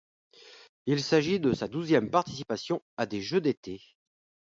Il s'agit de sa douzième participation à des Jeux d'été.